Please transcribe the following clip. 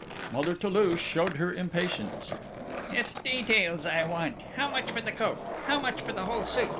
Mother Toulouche showed her impatience: "It's details I want! How much for the coat? How much for the whole suit?